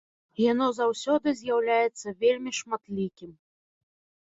Яно заўсёды з'яўляецца вельмі шматлікім.